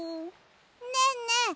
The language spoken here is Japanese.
ねえねえ